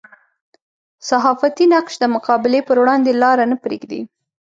صحافتي نقش د مقابلې پر وړاندې لاره نه پرېږدي.